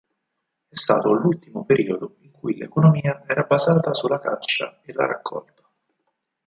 È stato l'ultimo periodo in cui l'economia era basata sulla caccia e la raccolta.